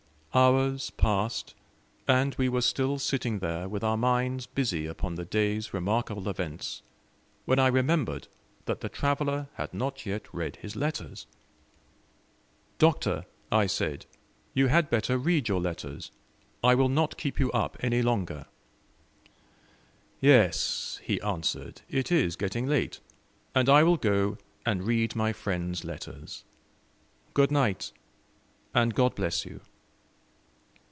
Hours passed, and we were still sitting there with our minds busy upon the day's remarkable events, when I remembered that the traveller had not yet read his letters. "Doctor," I said, "you had better read your letters. I will not keep you up any longer." "Yes," he answered, "it is getting late; and I will go and read my friends' letters. Good night, and God bless you."